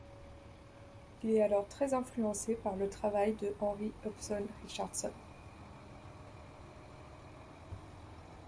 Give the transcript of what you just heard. Il est alors très influencé par le travail de Henry Hobson Richardson.